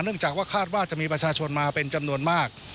จากว่าคาดว่าจะมีประชาชนมาเป็นจำนวนมาก